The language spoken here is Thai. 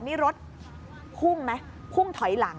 นี่รถหุ้มไหมหุ้มถอยหลัง